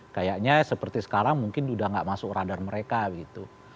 kayaknya seperti sekarang mungkin sudah tidak masuk radar mereka gitu